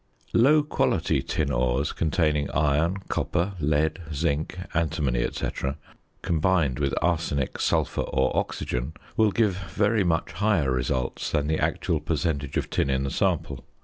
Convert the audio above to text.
Low quality tin ores containing iron, copper, lead, zinc, antimony, etc., combined with arsenic, sulphur, or oxygen, will give very much higher results than the actual percentage of tin in the sample.